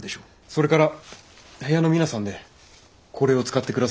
それから部屋の皆さんでこれを使って下さい。